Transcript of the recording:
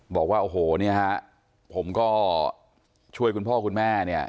บอกว่าโอ้โหเนี่ยฮะผมก็ช่วยคุณพ่อคุณแม่เนี่ย